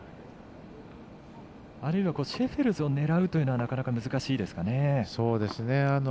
あるいは、シェフェルスを狙うというのはなかなか難しいですかね。